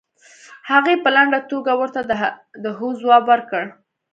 هغې په لنډه توګه ورته د هو ځواب ورکړ.